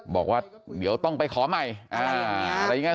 บอกว่าเดี๋ยวต้องไปขอใหม่อะไรอย่างนี้